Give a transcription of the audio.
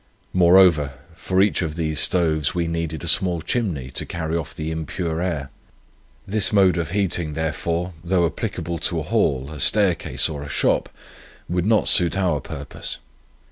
Moreover, for each of these stoves we needed a small chimney, to carry off the impure air. This mode of heating, therefore, though applicable to a hall, a staircase, or a shop, would not suit our purpose.